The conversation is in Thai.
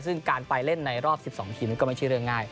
ซึ่งการไปเล่นในรอบ๑๒ทีมก็ไม่ใช่เรื่องง่าย